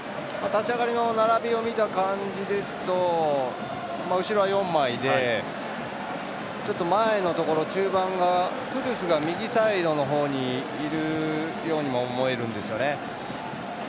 立ち上がりを見た感じですと後ろは４枚でちょっと前のところ、中盤がクドゥスが右サイドの方にいるようにも思えるんですよね。